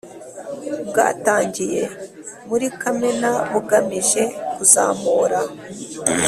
bwatangiye muri Kamena, bugamije kuzamura